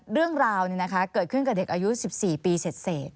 เรื่องราวเกิดขึ้นกับเด็กอายุ๑๔ปีเสร็จ